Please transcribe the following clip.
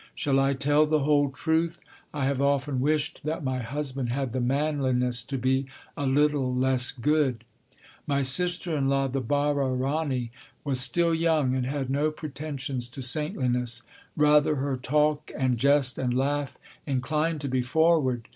Shall I tell the whole truth? I have often wished that my husband had the manliness to be a little less good. My sister in law, the Bara Rani, was still young and had no pretensions to saintliness. Rather, her talk and jest and laugh inclined to be forward.